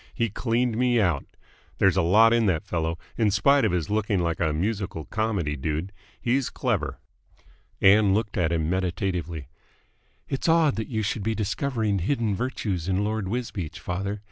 He cleaned me out. There's a lot in that fellow, in spite of his looking like a musical comedy dude. He's clever." Ann looked at him meditatively. "It's odd that you should be discovering hidden virtues in Lord Wisbeach, father.